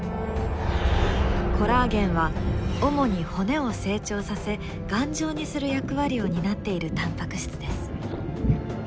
コラーゲンは主に骨を成長させ頑丈にする役割を担っているタンパク質です。